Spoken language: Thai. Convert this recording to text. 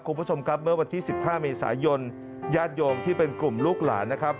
คุณผู้ชมครับเมื่อวันที่๑๕เมษายนญาติโยมที่เป็นกลุ่มลูกหลานนะครับ